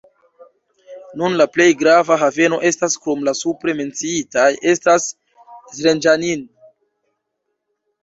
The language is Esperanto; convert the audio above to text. Nun la plej grava haveno estas krom la supre menciitaj estas Zrenjanin.